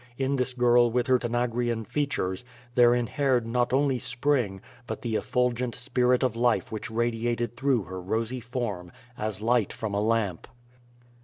In this girl with her Tanag rian features, there inhered not only Spring, but the efful gent spirit of life which radiated through her rosy form, as light from a lamp.